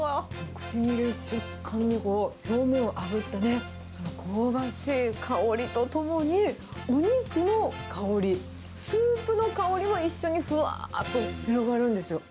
口に入れる瞬間、表面をあぶった香ばしい香りとともに、お肉の香り、スープの香りも一緒にふわーっと広がるんですよ。